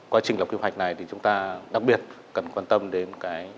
quá trình lọc quy hoạch này thì chúng ta đặc biệt cần quan tâm đến